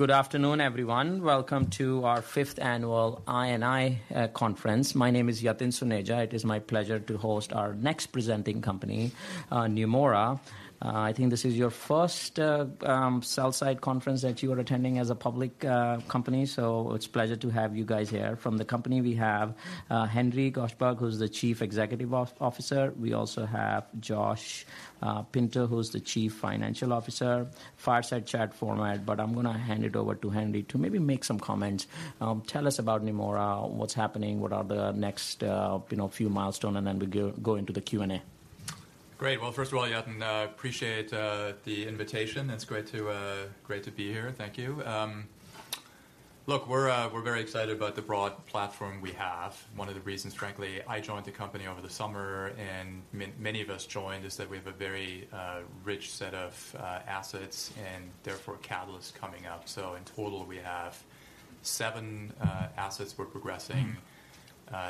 Good afternoon, everyone. Welcome to our Fifth Annual INI Conference. My name is Yatin Suneja. It is my pleasure to host our next presenting company, Neumora. I think this is your first sell-side conference that you are attending as a public company, so it's a pleasure to have you guys here. From the company, we have Henry Gosebruch, who's the Chief Executive Officer. We also have Josh Pinto, who's the Chief Financial Officer. Fireside chat format, but I'm gonna hand it over to Henry to maybe make some comments. Tell us about Neumora, what's happening, what are the next, you know, few milestone, and then we go into the Q&A. Great. Well, first of all, Yatin, appreciate the invitation. It's great to be here. Thank you. Look, we're very excited about the broad platform we have. One of the reasons, frankly, I joined the company over the summer, and many of us joined, is that we have a very rich set of assets and therefore, catalysts coming up. So in total, we have seven assets we're progressing.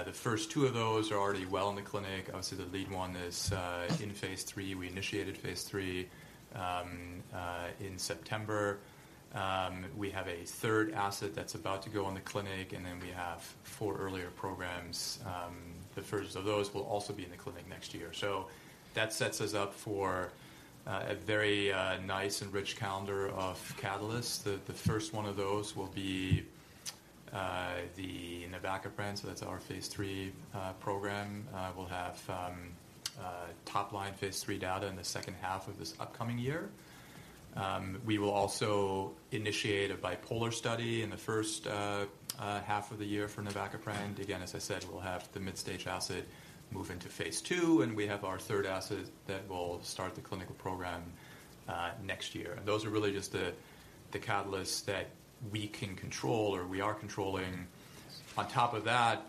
The first two of those are already well in the clinic. Obviously, the lead one is in phase III. We initiated phase III in September. We have a third asset that's about to go into the clinic, and then we have four earlier programs. The first of those will also be in the clinic next year. So that sets us up for a very nice and rich calendar of catalysts. The first one of those will be the navacaprant, so that's our phase III program. We'll have top line phase III data in the second half of this upcoming year. We will also initiate a bipolar study in the first half of the year for navacaprant. Again, as I said, we'll have the mid-stage asset move into phase II, and we have our third asset that will start the clinical program next year. Those are really just the catalysts that we can control or we are controlling. On top of that,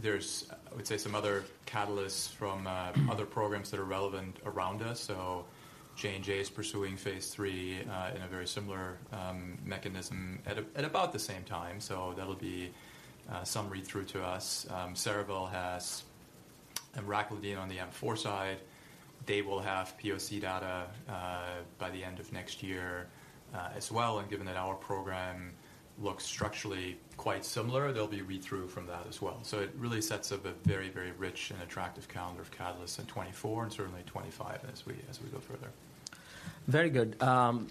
there's, I would say, some other catalysts from other programs that are relevant around us. So J&J is pursuing phase III in a very similar mechanism at about the same time. So that'll be some read-through to us. Cerevel has emraclidine on the M4 side. They will have POC data by the end of next year as well, and given that our program looks structurally quite similar, there'll be read-through from that as well. So it really sets up a very, very rich and attractive calendar of catalysts in 2024 and certainly 2025 as we, as we go further. Very good.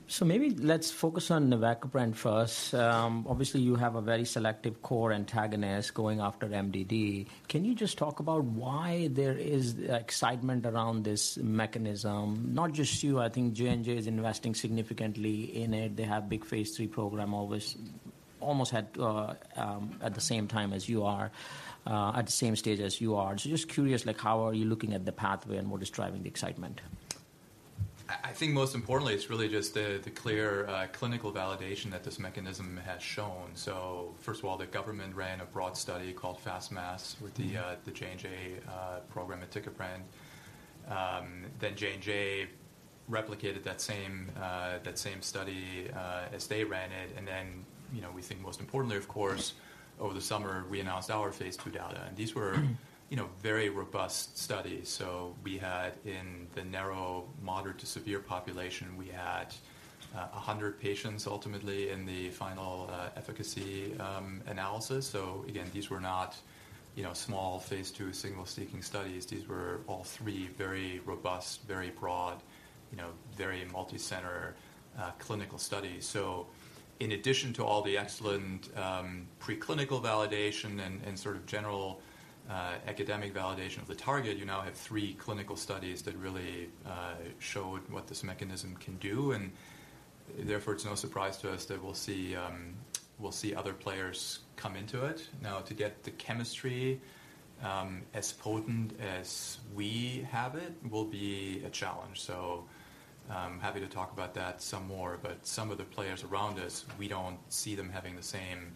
So maybe let's focus on navacaprant first. Obviously, you have a very selective KOR antagonist going after MDD. Can you just talk about why there is excitement around this mechanism? Not just you, I think J&J is investing significantly in it. They have big phase three program always, almost at the same time as you are, at the same stage as you are. So just curious, like, how are you looking at the pathway and what is driving the excitement? I think most importantly, it's really just the clear clinical validation that this mechanism has shown. So first of all, the government ran a broad study called FAST-MAS- Mm-hmm. with the, the J&J program, aticaprant. Then J&J replicated that same, that same study, as they ran it, and then, you know, we think most importantly, of course, over the summer, we announced our phase II data, and these were, you know, very robust studies. So we had in the MDD moderate-to-severe population, we had, 100 patients ultimately in the final, efficacy analysis. So again, these were not, you know, small phase II signal-seeking studies. These were all three very robust, very broad, you know, very multi-center, clinical studies. So in addition to all the excellent, preclinical validation and sort of general, academic validation of the target, you now have three clinical studies that really, show what this mechanism can do, and therefore, it's no surprise to us that we'll see other players come into it. Now, to get the chemistry, as potent as we have it, will be a challenge. So I'm happy to talk about that some more, but some of the players around us, we don't see them having the same,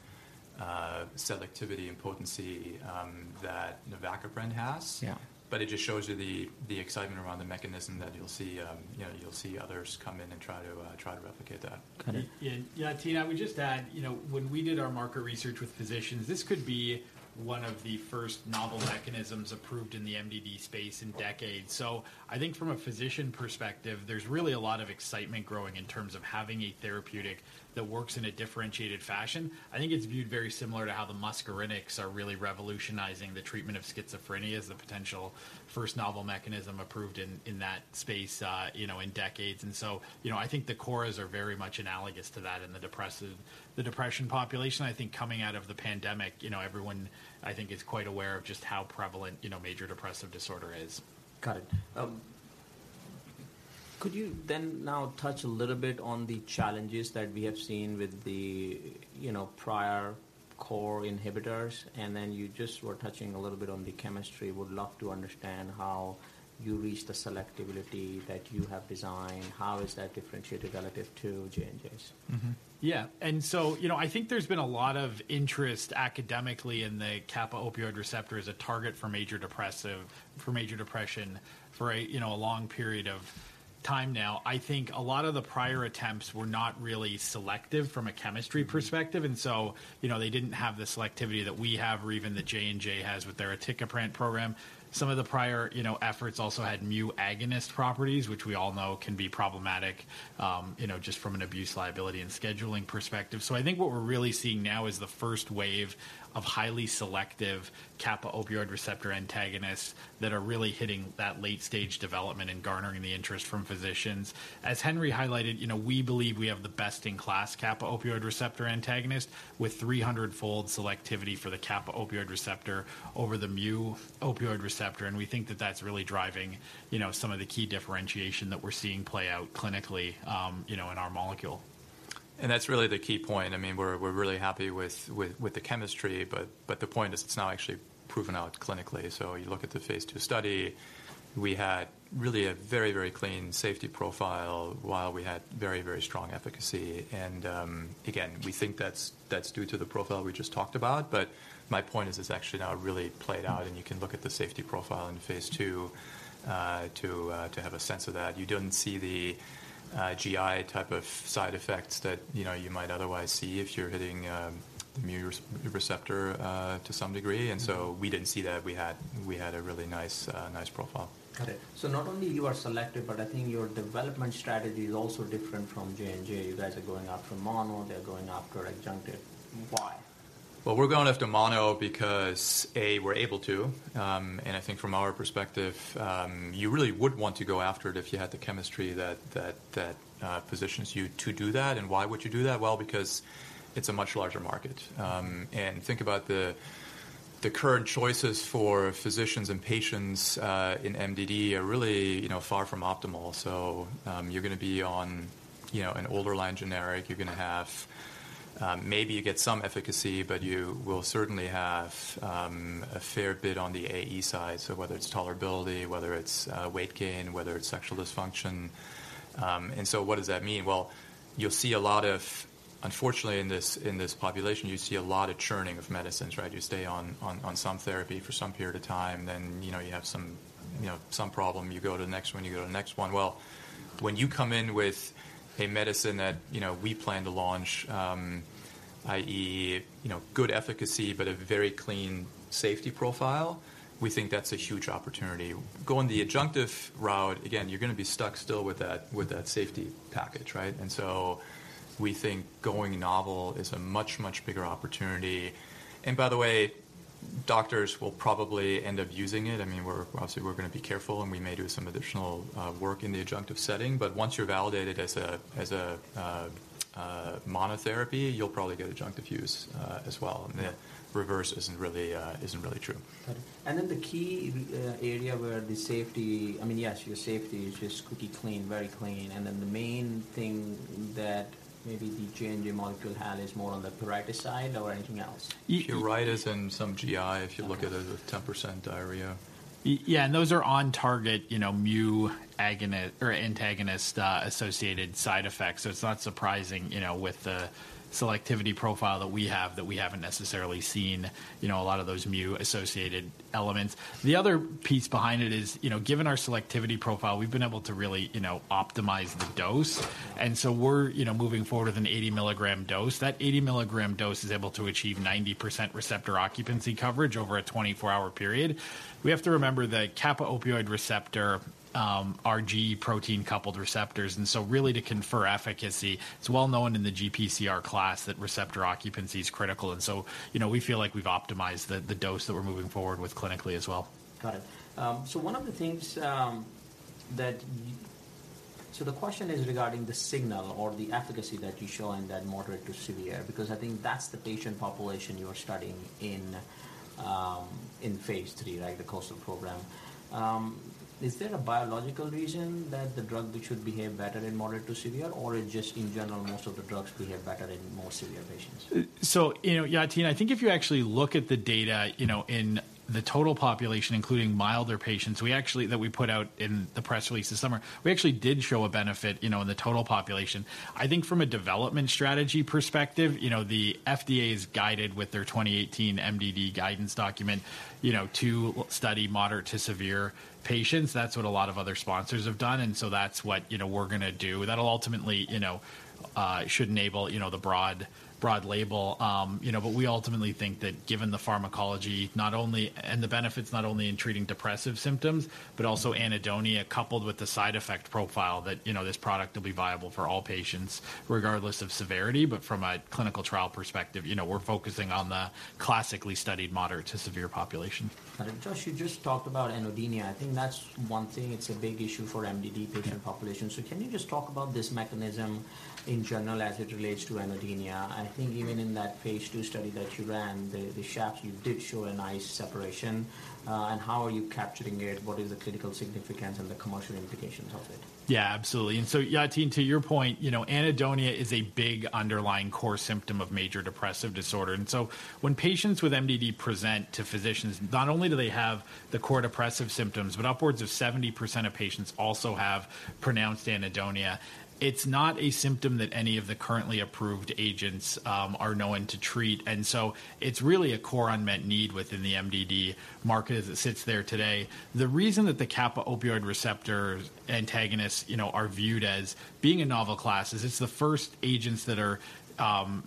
selectivity and potency, that navacaprant has. Yeah. But it just shows you the excitement around the mechanism that you'll see, you know, you'll see others come in and try to replicate that. Got it. Yeah, yeah, Yatin, I would just add, you know, when we did our market research with physicians, this could be one of the first novel mechanisms approved in the MDD space in decades. So I think from a physician perspective, there's really a lot of excitement growing in terms of having a therapeutic that works in a differentiated fashion. I think it's viewed very similar to how the muscarinics are really revolutionizing the treatment of schizophrenia as the potential first novel mechanism approved in that space, you know, in decades. And so, you know, I think the cores are very much analogous to that in the depression population. I think coming out of the pandemic, you know, everyone, I think, is quite aware of just how prevalent, you know, major depressive disorder is. Got it. Could you then now touch a little bit on the challenges that we have seen with the, you know, prior KOR inhibitors, and then you just were touching a little bit on the chemistry. Would love to understand how you reached the selectivity that you have designed. How is that differentiated relative to J&J's? Mm-hmm. Yeah, and so, you know, I think there's been a lot of interest academically in the kappa-opioid receptor as a target for major depressive- for major depression for a, you know, a long period of time now. I think a lot of the prior attempts were not really selective from a chemistry perspective. Mm-hmm. And so, you know, they didn't have the selectivity that we have or even that J&J has with their aticaprant program. Some of the prior, you know, efforts also had mu agonist properties, which we all know can be problematic, you know, just from an abuse liability and scheduling perspective. So I think what we're really seeing now is the first wave of highly selective kappa-opioid receptor antagonists that are really hitting that late-stage development and garnering the interest from physicians. As Henry highlighted, you know, we believe we have the best-in-class kappa-opioid receptor antagonist, with 300-fold selectivity for the kappa-opioid receptor over the mu-opioid receptor. And we think that that's really driving, you know, some of the key differentiation that we're seeing play out clinically, you know, in our molecule. And that's really the key point. I mean, we're really happy with the chemistry, but the point is it's now actually proven out clinically. So you look at the phase II study, we had really a very, very clean safety profile while we had very, very strong efficacy. And again, we think that's due to the profile we just talked about. But my point is, it's actually now really played out, and you can look at the safety profile in phase II to have a sense of that. You don't see the GI type of side effects that, you know, you might otherwise see if you're hitting the mu receptor to some degree. Mm-hmm. We didn't see that. We had, we had a really nice, nice profile. Got it. So not only you are selective, but I think your development strategy is also different from J&J. You guys are going after mono. They're going after adjunctive. Why? Well, we're going after mono because, A, we're able to. And I think from our perspective, you really would want to go after it if you had the chemistry that positions you to do that. And why would you do that? Well, because it's a much larger market. And think about the current choices for physicians and patients in MDD are really, you know, far from optimal. So, you're gonna be on, you know, an older line generic. You're gonna have maybe you get some efficacy, but you will certainly have a fair bit on the AE side. So whether it's tolerability, whether it's weight gain, whether it's sexual dysfunction. And so what does that mean? Well, you'll see a lot of, unfortunately, in this population, you see a lot of churning of medicines, right? You stay on some therapy for some period of time, then, you know, you have some problem. You go to the next one, you go to the next one. Well, when you come in with a medicine that, you know, we plan to launch, i.e., you know, good efficacy, but a very clean safety profile, we think that's a huge opportunity. Going the adjunctive route, again, you're gonna be stuck still with that safety package, right? And so we think going novel is a much, much bigger opportunity. And by the way, doctors will probably end up using it. I mean, we're obviously, we're gonna be careful, and we may do some additional work in the adjunctive setting, but once you're validated as a monotherapy, you'll probably get adjunctive use as well. Mm-hmm. The reverse isn't really, isn't really true. Got it. And then the key area where the safety... I mean, yes, your safety is just squeaky clean, very clean. And then the main thing that maybe the J&J molecule had is more on the pruritus side or anything else? Pruritus and some GI, if you look at it, a 10% diarrhea. Yeah, and those are on target, you know, mu agonist or antagonist associated side effects. So it's not surprising, you know, with the selectivity profile that we have, that we haven't necessarily seen, you know, a lot of those mu-associated elements. The other piece behind it is, you know, given our selectivity profile, we've been able to really, you know, optimize the dose. And so we're, you know, moving forward with an 80 mg dose. That 80 mg dose is able to achieve 90% receptor occupancy coverage over a 24-hour period. We have to remember that kappa opioid receptor, G protein-coupled receptors, and so really to confer efficacy, it's well known in the GPCR class that receptor occupancy is critical. And so, you know, we feel like we've optimized the dose that we're moving forward with clinically as well. Got it. So one of the things. So the question is regarding the signal or the efficacy that you show in that moderate to severe, because I think that's the patient population you are studying in, in phase three, right? The KOASTAL program. Is there a biological reason that the drug which should behave better in moderate to severe, or it just in general, most of the drugs behave better in more severe patients? So, you know, Yatin, I think if you actually look at the data, you know, in the total population, including milder patients, we actually that we put out in the press release this summer, we actually did show a benefit, you know, in the total population. I think from a development strategy perspective, you know, the FDA's guided with their 2018 MDD guidance document, you know, to study moderate to severe patients. That's what a lot of other sponsors have done, and so that's what, you know, we're gonna do. That'll ultimately, you know, should enable, you know, the broad, broad label. You know, but we ultimately think that given the pharmacology, not only... The benefits, not only in treating depressive symptoms, but also anhedonia, coupled with the side effect profile, that, you know, this product will be viable for all patients, regardless of severity. From a clinical trial perspective, you know, we're focusing on the classically studied moderate to severe population. Got it. Josh, you just talked about anhedonia. I think that's one thing, it's a big issue for MDD patient population. Mm-hmm. So can you just talk about this mechanism in general as it relates to anhedonia? I think even in that phase two study that you ran, the SHAPS, you did show a nice separation. And how are you capturing it? What is the clinical significance and the commercial implications of it? Yeah, absolutely. And so, Yatin, to your point, you know, anhedonia is a big underlying core symptom of major depressive disorder. And so when patients with MDD present to physicians, not only do they have the core depressive symptoms, but upwards of 70% of patients also have pronounced anhedonia. It's not a symptom that any of the currently approved agents are known to treat, and so it's really a core unmet need within the MDD market as it sits there today. The reason that the kappa-opioid receptor antagonists, you know, are viewed as being a novel class, is it's the first agents that are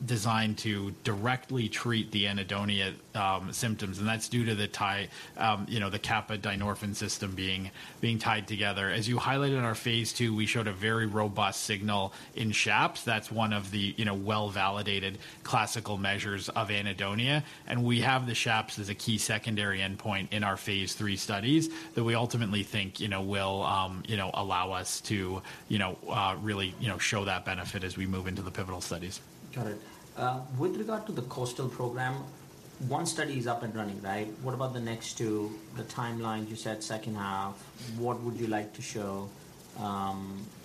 designed to directly treat the anhedonia symptoms, and that's due to the tie you know the kappa dynorphin system being tied together. As you highlighted in our phase II, we showed a very robust signal in SHAPS. That's one of the, you know, well-validated classical measures of anhedonia, and we have the SHAPS as a key secondary endpoint in our phase III studies, that we ultimately think, you know, will, you know, allow us to, you know, really, you know, show that benefit as we move into the pivotal studies. Got it. With regard to the KOASTAL program—one study is up and running, right? What about the next two, the timeline, you said second half, what would you like to show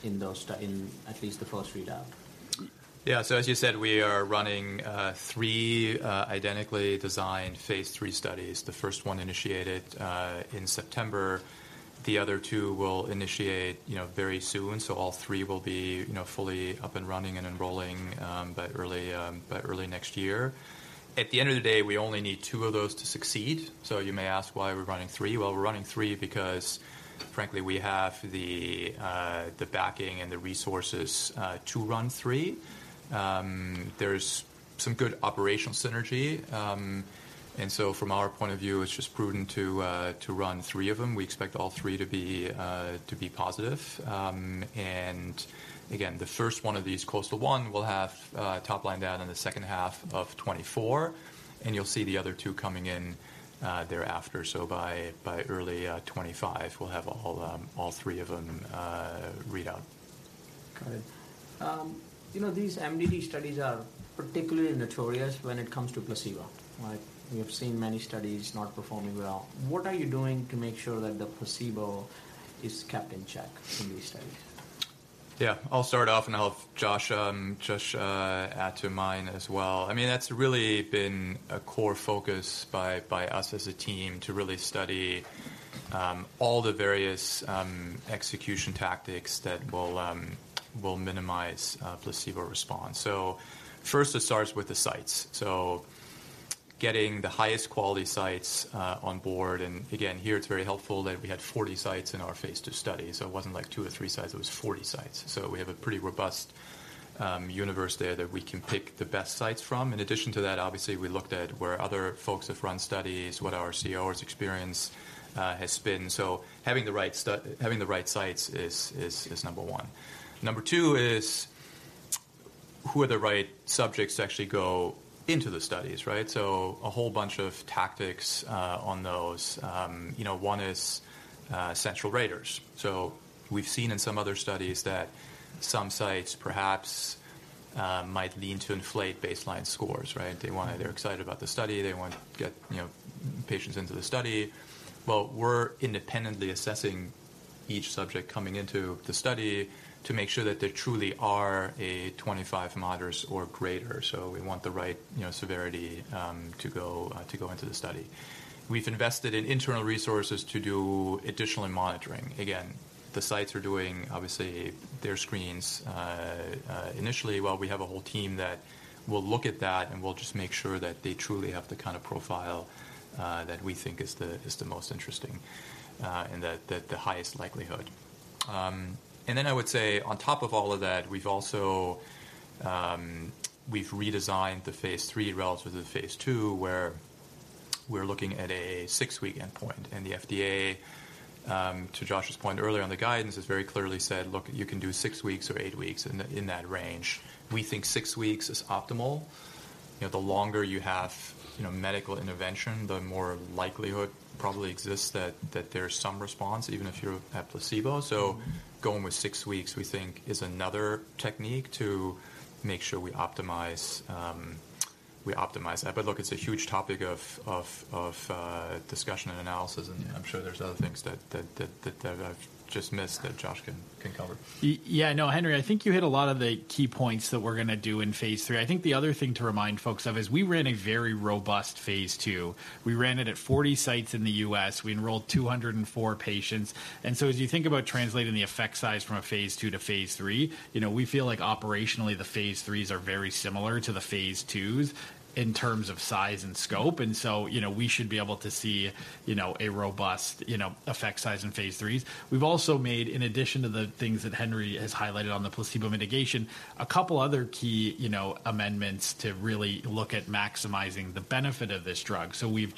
in those—in at least the first readout? Yeah. So as you said, we are running three identically designed phase III studies. The first one initiated in September, the other two will initiate, you know, very soon. So all three will be, you know, fully up and running and enrolling by early next year. At the end of the day, we only need two of those to succeed. So you may ask why we're running three. Well, we're running three because, frankly, we have the backing and the resources to run three. There's some good operational synergy, and so from our point of view, it's just prudent to run three of them. We expect all three to be positive. And again, the first one of these, KOASTAL-1, will have a top line down in the second half of 2024, and you'll see the other two coming in thereafter. So by early 2025, we'll have all three of them readout. Got it. You know, these MDD studies are particularly notorious when it comes to placebo. Like, we have seen many studies not performing well. What are you doing to make sure that the placebo is kept in check in these studies? Yeah, I'll start off, and I'll have Josh add to mine as well. I mean, that's really been a core focus by us as a team to really study all the various execution tactics that will minimize placebo response. So first, it starts with the sites. So getting the highest quality sites on board, and again, here, it's very helpful that we had 40 sites in our phase II study, so it wasn't like two or three sites, it was 40 sites. So we have a pretty robust universe there that we can pick the best sites from. In addition to that, obviously, we looked at where other folks have run studies, what our CROs experience has been. So having the right sites is number one. Number two is, who are the right subjects to actually go into the studies, right? So a whole bunch of tactics on those. You know, one is central raters. So we've seen in some other studies that some sites perhaps might lean to inflate baseline scores, right? They wanna. They're excited about the study, they want to get, you know, patients into the study. Well, we're independently assessing each subject coming into the study to make sure that they truly are a 25 moderate or greater. So we want the right, you know, severity to go into the study. We've invested in internal resources to do additional monitoring. Again, the sites are doing, obviously, their screens, initially, while we have a whole team that will look at that, and we'll just make sure that they truly have the kind of profile that we think is the most interesting, and the highest likelihood. And then I would say, on top of all of that, we've also, we've redesigned the phase III relative to the phase II, where we're looking at a six-week endpoint. And the FDA, to Josh's point earlier on, the guidance has very clearly said, "Look, you can do six weeks or eight weeks, in that range." We think six weeks is optimal. You know, the longer you have, you know, medical intervention, the more likelihood probably exists that there's some response, even if you're at placebo. So going with six weeks, we think, is another technique to make sure we optimize, we optimize that. But look, it's a huge topic of discussion and analysis, and I'm sure there's other things that I've just missed that Josh can cover. Yeah, no, Henry, I think you hit a lot of the key points that we're gonna do in phase III. I think the other thing to remind folks of is we ran a very robust phase II. We ran it at 40 sites in the U.S., we enrolled 204 patients. And so as you think about translating the effect size from a phase II to phase III, you know, we feel like operationally, the phase III's are very similar to the phase II's in terms of size and scope, and so, you know, we should be able to see, you know, a robust, you know, effect size in phase III's. We've also made, in addition to the things that Henry has highlighted on the placebo mitigation, a couple other key, you know, amendments to really look at maximizing the benefit of this drug. So we've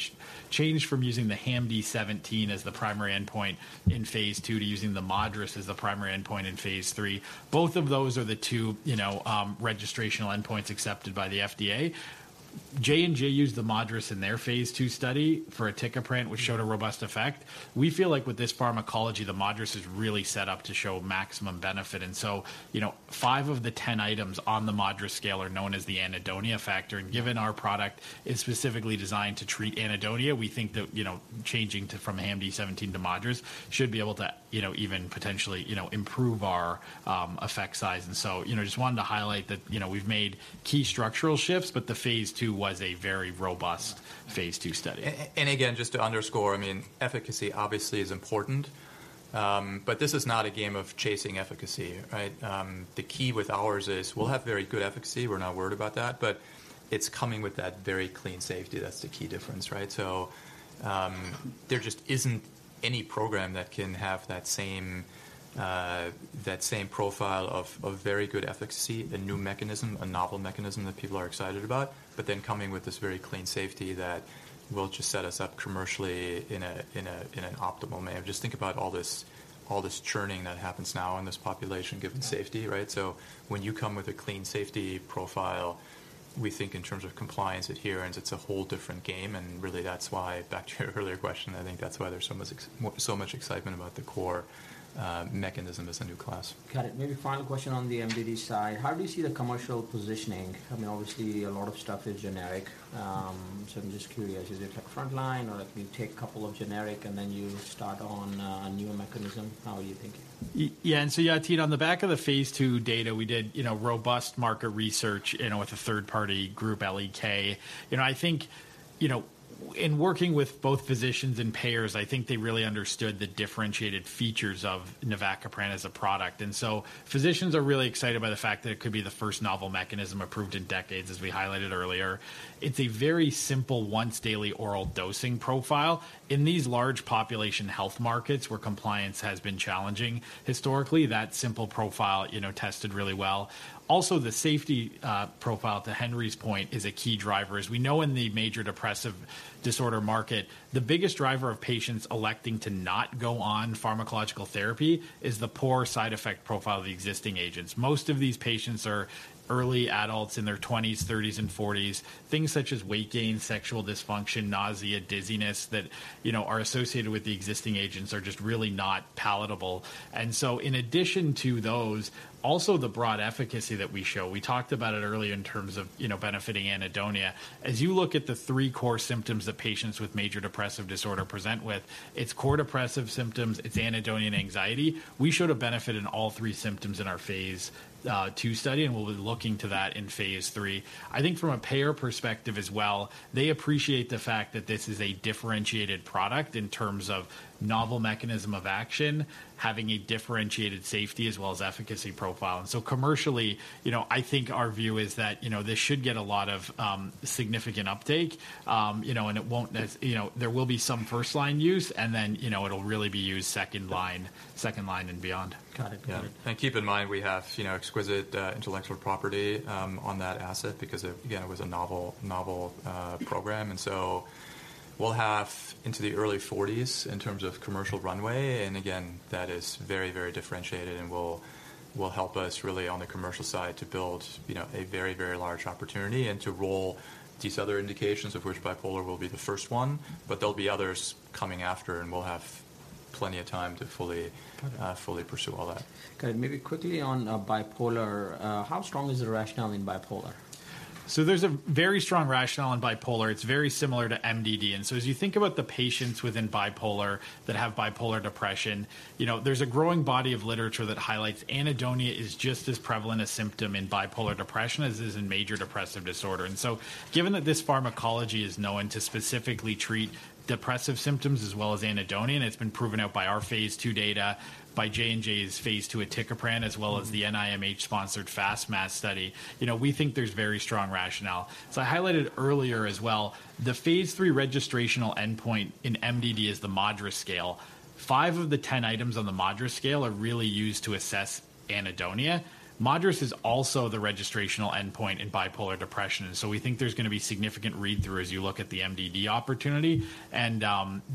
changed from using the HAMD-17 as the primary endpoint in phase II, to using the MADRS as the primary endpoint in phase III. Both of those are the two, you know, registrational endpoints accepted by the FDA. J&J used the MADRS in their phase II study for aticaprant, which showed a robust effect. We feel like with this pharmacology, the MADRS is really set up to show maximum benefit. And so, you know, five of the 10 items on the MADRS scale are known as the anhedonia factor, and given our product is specifically designed to treat anhedonia, we think that, you know, changing from HAMD-17 to MADRS should be able to, you know, even potentially, you know, improve our effect size. And so, you know, just wanted to highlight that, you know, we've made key structural shifts, but the Phase II was a very robust Phase II study. And again, just to underscore, I mean, efficacy obviously is important, but this is not a game of chasing efficacy, right? The key with ours is we'll have very good efficacy. We're not worried about that, but it's coming with that very clean safety. That's the key difference, right? So, there just isn't any program that can have that same, that same profile of very good efficacy, a new mechanism, a novel mechanism that people are excited about, but then coming with this very clean safety that will just set us up commercially in an optimal manner. Just think about all this churning that happens now in this population, given safety, right? So when you come with a clean safety profile, we think in terms of compliance adherence, it's a whole different game, and really that's why, back to your earlier question, I think that's why there's so much excitement about the KOR mechanism as a new class. Got it. Maybe final question on the MDD side, how do you see the commercial positioning? I mean, obviously, a lot of stuff is generic, so I'm just curious, is it like frontline, or if you take a couple of generic and then you start on a new mechanism? How are you thinking? Yeah, and so, Yatin, on the back of the phase II data, we did, you know, robust market research, you know, with a third-party group, L.E.K. You know, I think, you know, in working with both physicians and payers, I think they really understood the differentiated features of navacaprant as a product. And so physicians are really excited by the fact that it could be the first novel mechanism approved in decades, as we highlighted earlier. It's a very simple once-daily oral dosing profile. In these large population health markets, where compliance has been challenging historically, that simple profile, you know, tested really well. Also, the safety profile, to Henry's point, is a key driver. As we know in the major depressive disorder market, the biggest driver of patients electing to not go on pharmacological therapy is the poor side effect profile of the existing agents. Most of these patients are early adults in their twenties, thirties, and forties. Things such as weight gain, sexual dysfunction, nausea, dizziness that, you know, are associated with the existing agents are just really not palatable. So in addition to those, also the broad efficacy that we show. We talked about it earlier in terms of, you know, benefiting anhedonia. As you look at the three core symptoms that patients with major depressive disorder present with, it's core depressive symptoms, it's anhedonia and anxiety. We showed a benefit in all three symptoms in our phase two study, and we'll be looking to that in phase three. I think from a payer perspective as well, they appreciate the fact that this is a differentiated product in terms of novel mechanism of action, having a differentiated safety as well as efficacy profile. So commercially, you know, I think our view is that, you know, this should get a lot of significant uptake. You know, and it won't, you know, there will be some first-line use, and then, you know, it'll really be used second line, second line and beyond. Got it. Got it. Yeah. And keep in mind, we have, you know, exquisite intellectual property on that asset because, again, it was a novel program, and so we'll have into the early forties in terms of commercial runway, and again, that is very, very differentiated and will help us really on the commercial side to build, you know, a very, very large opportunity and to roll these other indications, of which bipolar will be the first one, but there'll be others coming after, and we'll have plenty of time to fully- Got it. fully pursue all that. Got it. Maybe quickly on bipolar, how strong is the rationale in bipolar? So there's a very strong rationale in bipolar. It's very similar to MDD, and so as you think about the patients within bipolar that have bipolar depression, you know, there's a growing body of literature that highlights anhedonia is just as prevalent a symptom in bipolar depression as it is in major depressive disorder. And so given that this pharmacology is known to specifically treat depressive symptoms as well as anhedonia, and it's been proven out by our phase II data, by J&J's phase II aticaprant, as well as the NIMH-sponsored FAST-MAS study, you know, we think there's very strong rationale. So I highlighted earlier as well, the phase III registrational endpoint in MDD is the MADRS scale. Five of the 10 items on the MADRS scale are really used to assess anhedonia. MADRS is also the registrational endpoint in bipolar depression, and so we think there's going to be significant read-through as you look at the MDD opportunity and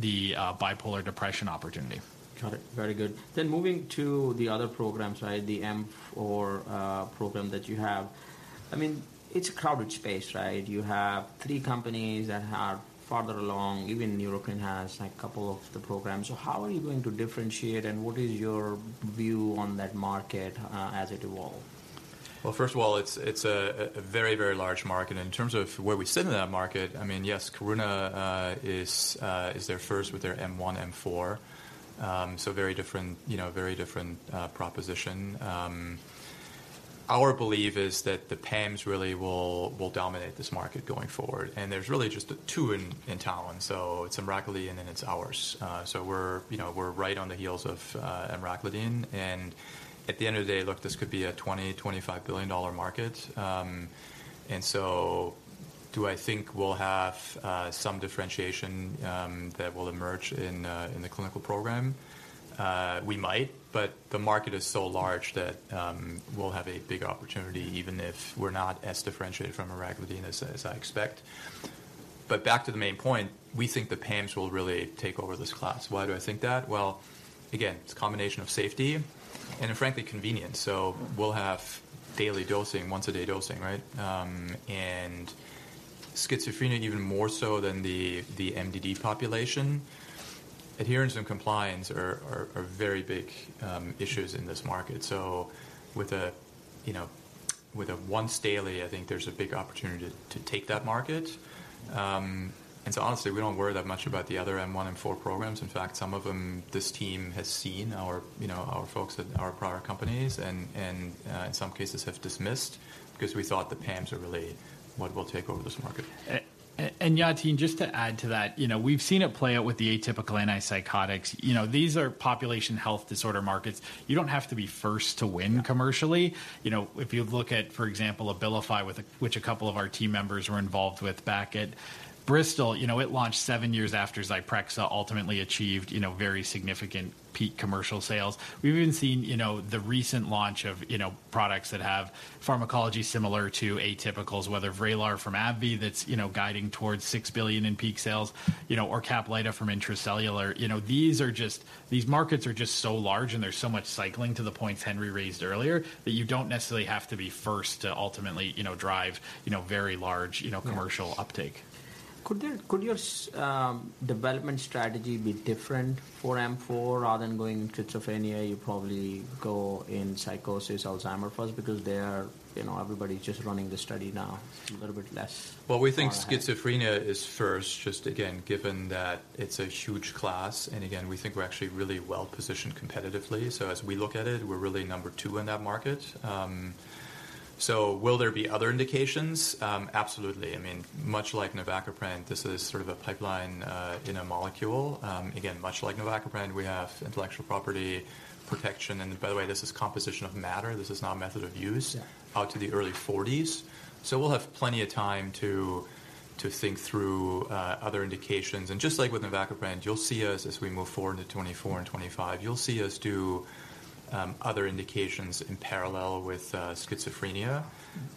the bipolar depression opportunity. Got it. Very good. Then moving to the other programs, right? The M4 program that you have. I mean, it's a crowded space, right? You have three companies that are farther along. Even Neurocrine has, like, couple of the programs. So how are you going to differentiate, and what is your view on that market, as it evolve? Well, first of all, it's a very, very large market, and in terms of where we sit in that market, I mean, yes, Karuna is there first with their M1, M4. So very different, you know, very different proposition. Our belief is that the PAMs really will dominate this market going forward, and there's really just the two in town, so it's emraclidine, and then it's ours. So we're, you know, we're right on the heels of emraclidine, and at the end of the day, look, this could be a $20-$25 billion market. And so do I think we'll have some differentiation that will emerge in the clinical program? We might, but the market is so large that we'll have a big opportunity, even if we're not as differentiated from emraclidine as I expect. But back to the main point, we think the PAMs will really take over this class. Why do I think that? Well, again, it's a combination of safety and, frankly, convenience. So we'll have daily dosing, once-a-day dosing, right? And schizophrenia, even more so than the MDD population, adherence and compliance are very big issues in this market. So with, you know, a once daily, I think there's a big opportunity to take that market. And so honestly, we don't worry that much about the other M1 and M4 programs. In fact, some of them, this team has seen our, you know, our folks at our prior companies and in some cases have dismissed because we thought the PAMs are really what will take over this market. Yatin, just to add to that, you know, we've seen it play out with the atypical antipsychotics. You know, these are population health disorder markets. You don't have to be first to win commercially. You know, if you look at, for example, Abilify, with a... which a couple of our team members were involved with back at Bristol, you know, it launched seven years after Zyprexa ultimately achieved, you know, very significant peak commercial sales. We've even seen, you know, the recent launch of, you know, products that have pharmacology similar to atypicals, whether Vraylar from AbbVie, that's, you know, guiding towards $6 billion in peak sales.... you know, or Caplyta from Intra-Cellular. You know, these markets are just so large, and there's so much cycling, to the points Henry raised earlier, that you don't necessarily have to be first to ultimately, you know, drive, you know, very large, you know... Yes - commercial uptake. Could your development strategy be different for M4? Rather than going into schizophrenia, you probably go in psychosis, Alzheimer's first, because they are... You know, everybody's just running the study now, a little bit less- Well, we think schizophrenia is first, just again, given that it's a huge class, and again, we think we're actually really well-positioned competitively. So as we look at it, we're really number two in that market. So will there be other indications? Absolutely. I mean, much like navacaprant, this is sort of a pipeline in a molecule. Again, much like navacaprant, we have intellectual property protection, and by the way, this is composition of matter. This is not method of use- Yeah. Out to the early 2040s. So we'll have plenty of time to think through other indications. And just like with navacaprant, you'll see us as we move forward into 2024 and 2025; you'll see us do other indications in parallel with schizophrenia.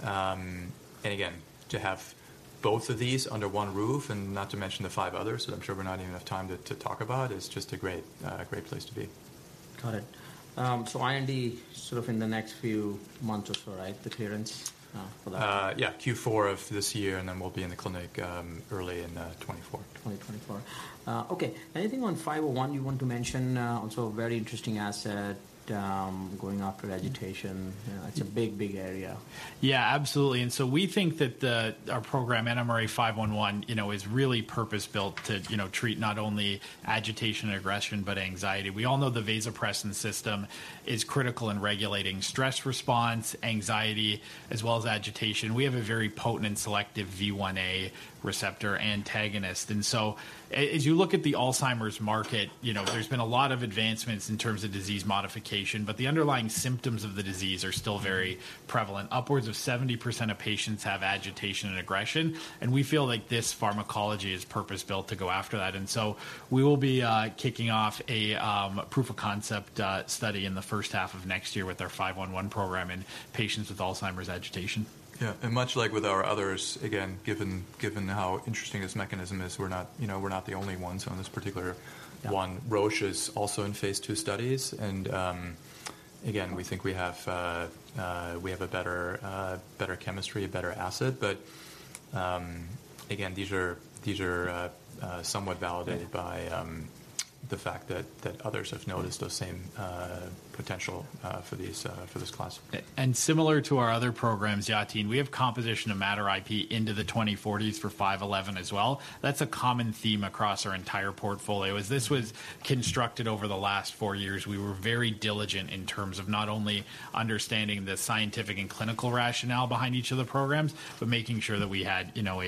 And again, to have both of these under one roof and not to mention the five others that I'm sure we don't have enough time to talk about is just a great, great place to be. Got it. So IND, sort of in the next few months or so, right? The clearance for that. Yeah, Q4 of this year, and then we'll be in the clinic early in 2024. 2024. Okay. Anything on 511 you want to mention? Also a very interesting asset, going after agitation. Yeah. It's a big, big area. Yeah, absolutely. And so we think that Our program, NMRA-511, you know, is really purpose-built to, you know, treat not only agitation and aggression, but anxiety. We all know the vasopressin system is critical in regulating stress response, anxiety, as well as agitation. We have a very potent and selective V1a receptor antagonist. And so as you look at the Alzheimer's market, you know, there's been a lot of advancements in terms of disease modification, but the underlying symptoms of the disease are still very prevalent. Upwards of 70% of patients have agitation and aggression, and we feel like this pharmacology is purpose-built to go after that. And so we will be kicking off a proof of concept study in the first half of next year with our 511 program in patients with Alzheimer's agitation. Yeah, and much like with our others, again, given how interesting this mechanism is, we're not, you know, we're not the only ones on this particular one. Yeah. Roche is also in Phase II studies, and again, we think we have a better chemistry, a better asset. But again, these are somewhat validated by the fact that others have noticed those same potential for this class. And similar to our other programs, Yatin, we have composition of Matter IP into the 2040s for 511 as well. That's a common theme across our entire portfolio. As this was constructed over the last four years, we were very diligent in terms of not only understanding the scientific and clinical rationale behind each of the programs, but making sure that we had, you know,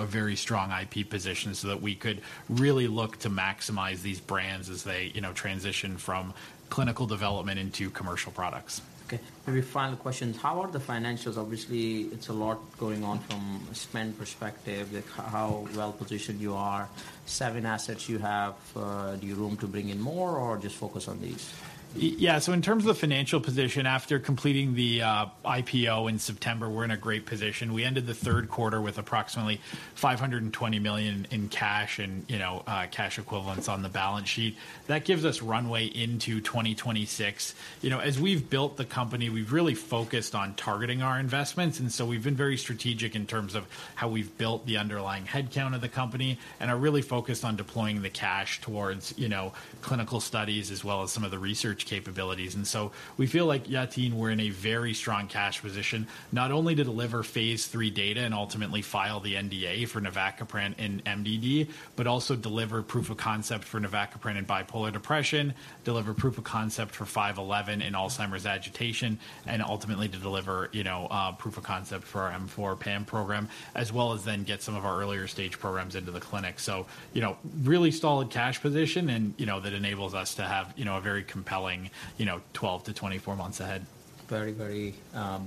a very strong IP position, so that we could really look to maximize these brands as they, you know, transition from clinical development into commercial products. Okay, maybe final question: How are the financials? Obviously, it's a lot going on from a spend perspective, with how well positioned you are. Seven assets you have, do you room to bring in more or just focus on these? Yeah, so in terms of the financial position, after completing the IPO in September, we're in a great position. We ended the third quarter with approximately $520 million in cash and, you know, cash equivalents on the balance sheet. That gives us runway into 2026. You know, as we've built the company, we've really focused on targeting our investments, and so we've been very strategic in terms of how we've built the underlying headcount of the company and are really focused on deploying the cash towards, you know, clinical studies as well as some of the research capabilities. So we feel like, Yatin, we're in a very strong cash position, not only to deliver phase III data and ultimately file the NDA for navacaprant in MDD, but also deliver proof of concept for navacaprant in bipolar depression, deliver proof of concept for 511 in Alzheimer's agitation, and ultimately to deliver, you know, proof of concept for our M4 PAM program, as well as then get some of our earlier stage programs into the clinic. So you know, really solid cash position and, you know, that enables us to have, you know, a very compelling, you know, 12-24 months ahead. Very, very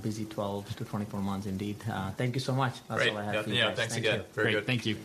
busy 12-24 months indeed. Thank you so much. Great. That's all I have. Yeah. Thanks again. Thank you. Very good. Thank you.